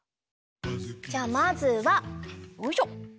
じゃあまずはよいしょ。